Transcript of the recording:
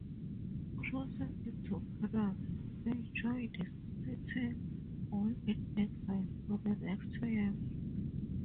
Crossing into Canada, they joined Sitting Bull in exile for the next two years.